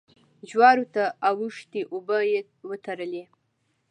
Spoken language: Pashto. جوارو ته اوښتې اوبه يې وتړلې.